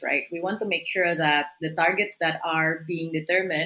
kami ingin memastikan target yang diaturkan